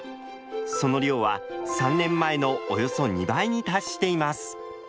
その量は３年前のおよそ２倍に達しています。